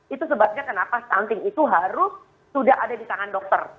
itu sebabnya kenapa stunting itu harus sudah ada di tangan dokter